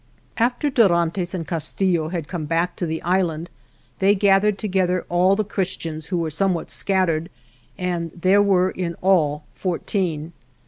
AFTER Dorantes and Castillo had come back to the island, they gath ered together all the Christians, who were somewhat scattered, and there were in all fourteen.